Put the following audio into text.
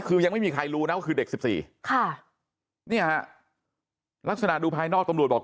คือยังไม่มีใครรู้นะว่าคือเด็ก๑๔ค่ะเนี่ยฮะลักษณะดูภายนอกตำรวจบอก